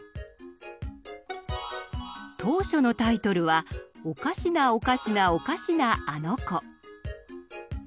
当初のタイトルは「おかしなおかしなおかしなあの子」。